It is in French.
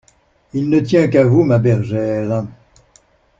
Il ne tient qu'à vous, ma bergère!